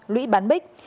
lũy bán bích